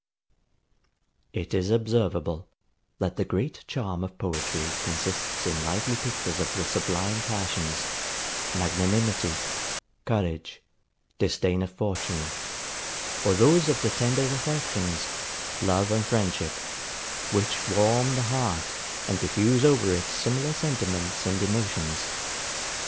It is observable, that the great charm of poetry consists in lively pictures of the sublime passions, magnanimity, courage, disdain of fortune; or those of the tender affections, love and friendship; which warm the heart, and diffuse over it similar sentiments and emotions.